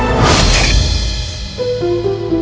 pak jurit tangkap dia